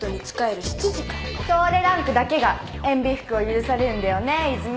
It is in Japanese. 太陽ランクだけがえんび服を許されるんだよね泉。